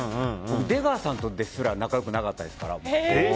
出川さんとですら仲良くなかったですから。